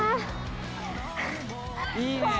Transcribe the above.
いいねぇ！